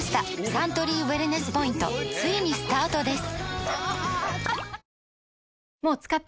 サントリーウエルネスポイントついにスタートです！